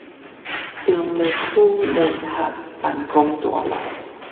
中壢區聯合辦公大樓